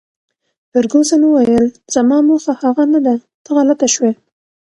فرګوسن وویل: زما موخه هغه نه ده، ته غلطه شوې.